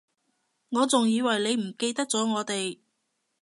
我仲以為你唔記得咗我哋